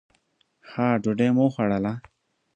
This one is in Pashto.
ښه ډوډۍ مو وخوړله.